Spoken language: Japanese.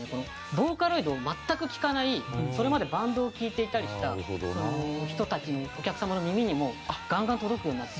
ボーカロイドを全く聴かないそれまでバンドを聴いていたりした人たちにお客様の耳にもガンガン届くようになって。